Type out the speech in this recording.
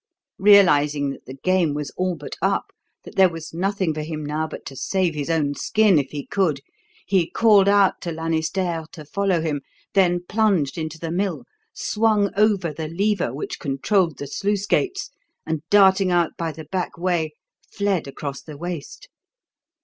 Realising that the game was all but up, that there was nothing for him now but to save his own skin if he could, he called out to Lanisterre to follow him, then plunged into the mill, swung over the lever which controlled the sluice gates, and, darting out by the back way, fled across the waste.